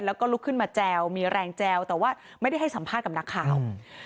แล้วก็ลุกขึ้นมาแจวมีแรงแจวแต่ว่าไม่ได้ให้สัมภาษณ์กับนักข่าว